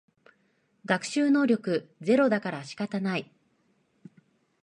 学習能力ゼロだから仕方ない